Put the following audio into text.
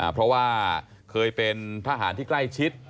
เพราะว่าเคยเป็นทหารที่ใกล้ชิด